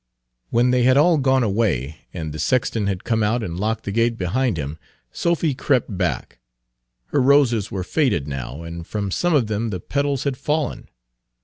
When they had all gone away, and the sexton had come out and locked the gate behind him, Sophy crept back. Her roses were faded now, and from some of them the petals had fallen.